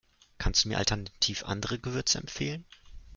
Kannst du mir alternativ andere Gewürze empfehlen?